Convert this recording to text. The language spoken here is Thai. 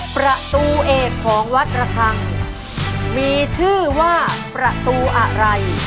ประตูเอกของวัดระคังมีชื่อว่าประตูอะไร